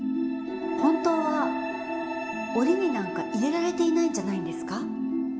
本当は檻になんか入れられていないんじゃないんですか？